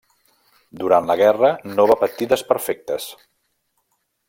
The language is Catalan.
Durant la guerra no va patir desperfectes.